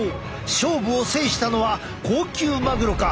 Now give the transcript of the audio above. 勝負を制したのは高級マグロか？